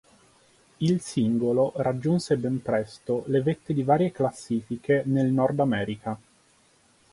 Il singolo raggiunse ben presto le vette di varie classifiche nel Nord America.